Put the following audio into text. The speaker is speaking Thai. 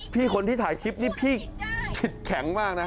คนที่ถ่ายคลิปนี่พี่จิตแข็งมากนะ